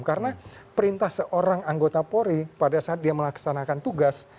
karena perintah seorang anggota polri pada saat dia melaksanakan tugas